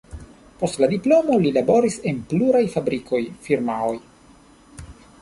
Post la diplomo li laboris en pluraj fabrikoj, firmaoj.